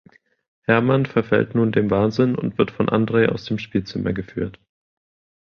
Hermann verfällt nun dem Wahnsinn und wird von Andrej aus dem Spielzimmer geführt.